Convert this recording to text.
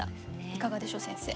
いかがでしょう先生。